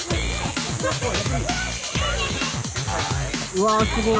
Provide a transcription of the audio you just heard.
うわすごい。